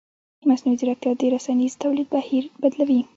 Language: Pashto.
مصنوعي ځیرکتیا د رسنیز تولید بهیر بدلوي.